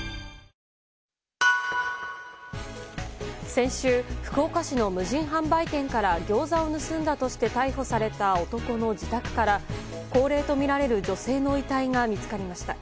先週、福岡市の無人販売店からギョーザを盗んだとして逮捕された男の自宅から高齢とみられる女性の遺体が見つかりました。